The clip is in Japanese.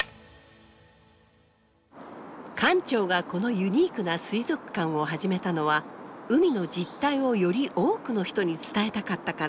館長がこのユニークな水族館を始めたのは海の実態をより多くの人に伝えたかったから。